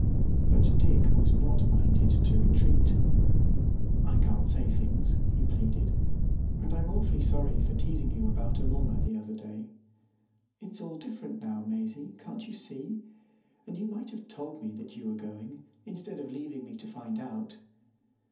But Dick was not minded to retreat. "I can't say things," he pleaded, "and I'm awfully sorry for teasing you about Amomma the other day. It's all different now, Maisie, can't you see? And you might have told me that you were going, instead of leaving me to find out."